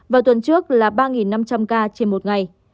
vào tuần trước là ba năm trăm linh ca trên một ngày